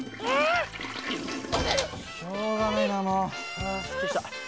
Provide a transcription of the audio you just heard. あすっきりした。